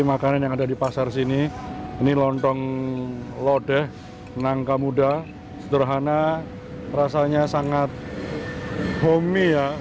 makanan yang ada di pasar sini ini lontong lodeh nangka muda sederhana rasanya sangat homey ya